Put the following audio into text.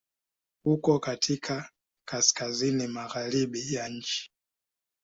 Uko katika Kaskazini magharibi ya nchi.